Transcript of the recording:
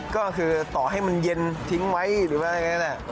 ก็คือต่อให้มันเย็นทิ้งไว้หรืออะไรแบบนั้น